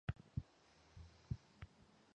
并遭到第一银行为首的公营银行团宣告违约。